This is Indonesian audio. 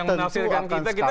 tentu akan sekali